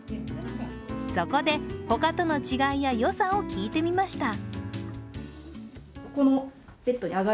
そこで、他との違いやよさを聞いてみました。